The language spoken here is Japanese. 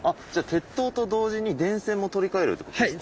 鉄塔と同時に電線も取り替えるってことですか？